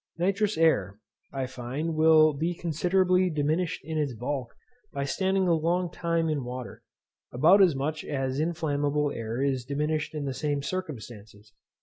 Nitrous air, I find, will be considerably diminished in its bulk by standing a long time in water, about as much as inflammable air is diminished in the same circumstances.